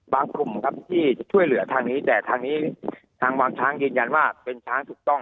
กลุ่มครับที่จะช่วยเหลือทางนี้แต่ทางนี้ทางวานช้างยืนยันว่าเป็นช้างถูกต้อง